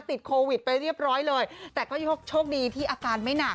ติดโควิดไปเรียบร้อยเลยแต่ก็โชคดีที่อาการไม่หนัก